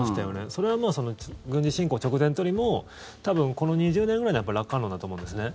それは軍事侵攻直前っていうよりも多分、この２０年ぐらいの楽観論だと思うんですね。